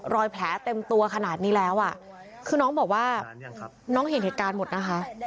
รอยแผลเต็มตัวขนาดนี้แล้วอ่ะคือน้องบอกว่าน้องเห็นเหตุการณ์หมดนะคะ